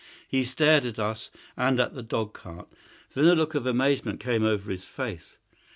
He stared at us and at the dog cart. Then a look of amazement came over his face.